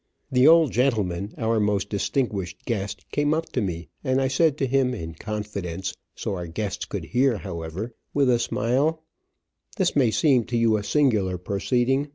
The old gentleman, our most distinguished guest, came up to me, and I said to him, in confidence, so our guests could hear, however, with a smile, "This may seem to you a singular proceeding.